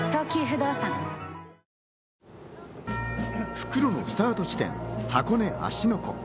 復路のスタート地点、箱根・芦ノ湖。